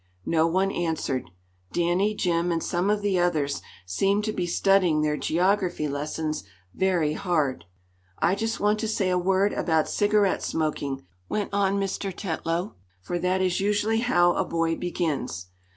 No one answered. Danny, Jim, and some of the others seemed to be studying their geography lessons very hard. "I just want to say a word about cigarette smoking," went on Mr. Tetlow, "for that is usually how a boy begins.